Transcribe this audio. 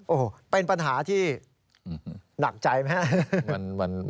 โอ้โหเป็นปัญหาที่หนักใจไหมครับ